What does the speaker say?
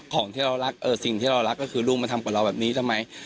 ของเรารักสิ่งที่เรารักก็คือลูกมาทำกับเราแบบนี้ทำไม